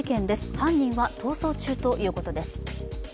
犯人は逃走中ということです。